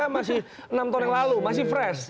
masih enam tahun yang lalu masih fresh